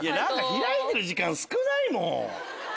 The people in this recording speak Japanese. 開いてる時間少ないもん。